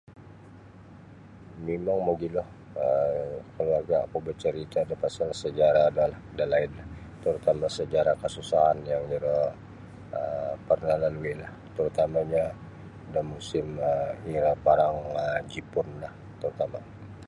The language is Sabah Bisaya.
mimang mogilo um mengagakku becerita da pasal sejarah da dalaid terutama sejarah kesusahan yang iro um pernah lalui lah terutamanya da musim um iro parang um jipun lah terutama